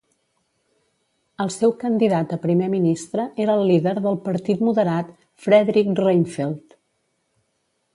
El seu candidat a Primer Ministre era el líder del Partit Moderat, Fredrik Reinfeldt.